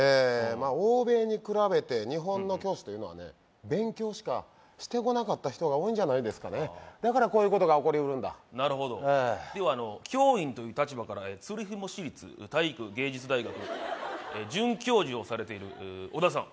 まあ欧米に比べて日本の教師というのはね勉強しかしてこなかった人が多いんじゃないですかねだからこういうことが起こりうるなるほどではあの教員という立場から鶴紐市立体育芸術大学准教授をされている小田さん